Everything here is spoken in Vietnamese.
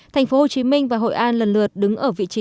thành phố hồ chí minh và hội an lần lượt đứng ở vị trí